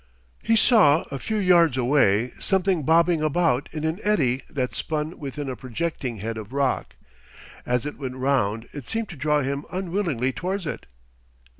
He saw a few yards away, something bobbing about in an eddy that spun within a projecting head of rock. As it went round it seemed to draw him unwillingly towards it....